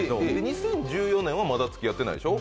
２０１４年は付き合ってないでしょ？